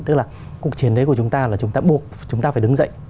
tức là cuộc chiến đấy của chúng ta là chúng ta buộc chúng ta phải đứng dậy